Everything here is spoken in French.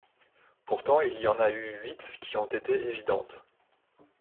Pourtant il y en a eu huit qui ont été évidentes.